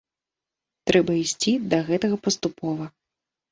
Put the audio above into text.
Трэба ісці да гэтага паступова.